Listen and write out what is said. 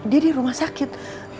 dia di rumah sakit